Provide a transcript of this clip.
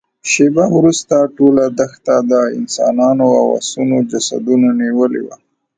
شېبه وروسته ټوله دښته د انسانانو او آسونو جسدونو نيولې وه.